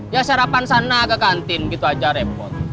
ya sarapan sana ke kantin gitu aja repot